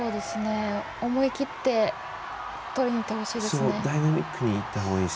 思い切ってとりにいってほしいですね。